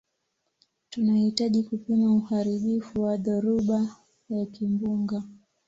tunahitaji kupima uharibifu wa dhoruba ya kimbunga